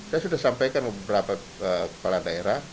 saya sudah sampaikan beberapa kepala daerah